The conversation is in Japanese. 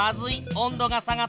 温度が下がった。